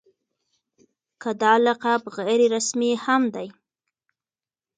که دا لقب غیر رسمي هم دی.